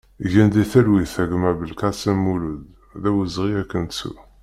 Gen di talwit a gma Belkalem Mulud, d awezɣi ad k-nettu!